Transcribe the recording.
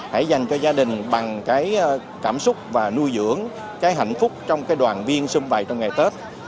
hãy dành cho gia đình bằng cảm xúc và nuôi dưỡng hạnh phúc trong đoàn viên xung bày trong ngày tết